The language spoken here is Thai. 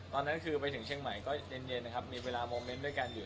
ตอนนั้นคือไปถึงเชียงใหม่ก็เย็นนะครับมีเวลาโมเมนต์ด้วยกันอยู่